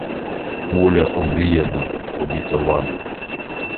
Воля омріяна, обітована